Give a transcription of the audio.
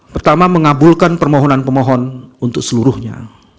pertama mengabulkan permohonan pemohon untuk seluruhnya